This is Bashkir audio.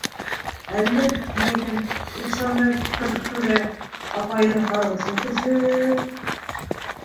Әллә, мәйтәм, Ихсанбай ҡустым-түрә, апайының ҡарғышы төшөп...